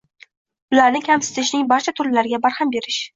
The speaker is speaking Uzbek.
Ularni kamsitishning barcha turlariga barham berish